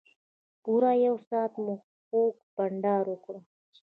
پوره یو ساعت مو خوږ بنډار وکړ.